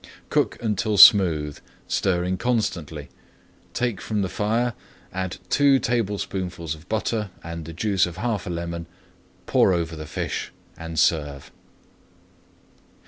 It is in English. Cook until smooth, stirring constantly, take from the fire, add two tablespoonfuls of butter and the juice of half a lemon, pour over the fish, and serve.